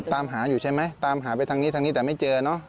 ตามหาอยู่ใช่ไหมตามหาไปทางนี้ทางนี้แต่ไม่เจอเนอะ